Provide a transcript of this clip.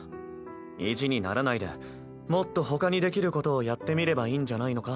意地にならないでもっとほかにできることをやってみればいいんじゃないのか？